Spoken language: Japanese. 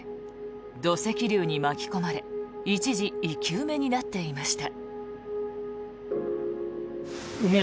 土石流に巻き込まれ一時生き埋めになっていました。